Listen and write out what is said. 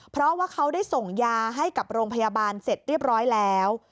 เพราะว่าเขาได้ส่งยาให้กับโรงพยาบาลเสร็จเรียบร้อยแล้ว